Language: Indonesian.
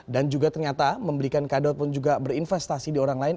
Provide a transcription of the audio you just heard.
dan juga ternyata memberikan kado ataupun juga berinvestasi di orang lain